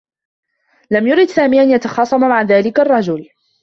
لم يرد سامي أن يتخاصم مع ذلك الرّجل.